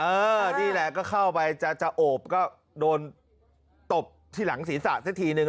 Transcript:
นี่แหละก็เข้าไปจะโอบก็โดนตบที่หลังศีรษะซะทีนึง